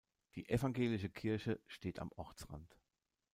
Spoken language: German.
Die evangelische Kirche steht am Ortsrand.